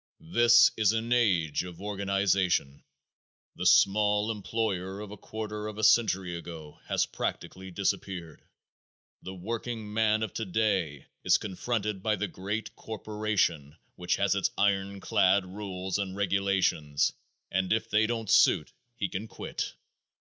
This is an age of organization. The small employer of a quarter of a century ago has practically disappeared. The workingman of today is confronted by the great corporation which has its ironclad rules and regulations, and if they don't suit he can quit.